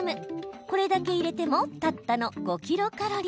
これだけ入れてもたったの５ｋｃａｌ。